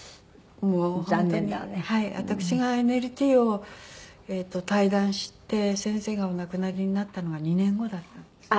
私がＮＬＴを退団して先生がお亡くなりになったのが２年後だったんです。